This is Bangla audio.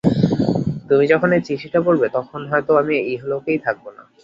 তুমি যখন চিঠিটা পড়বে তখন হয়তো আমি এই ইহলোকে থাকবো না।